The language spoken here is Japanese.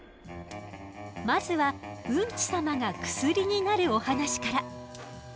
まずはウンチ様が薬になるお話から。